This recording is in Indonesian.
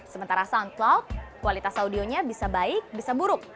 sementara soundcloud kualitas audionya bisa baik bisa buruk